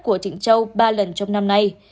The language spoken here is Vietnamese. của trịnh châu ba lần trong năm nay